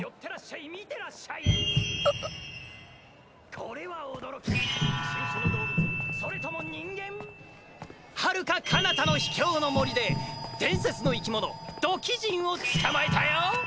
これは驚き新種の動物⁉それとも人間⁉はるか彼方の秘境の森で伝説の生き物土器人を捕まえたよ！！